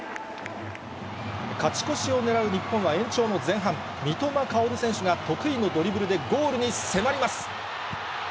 勝ち越しをねらう日本は延長の前半、三笘薫選手が得意のドリブルでゴールに迫ります。